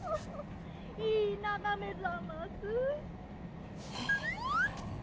・いいながめざます。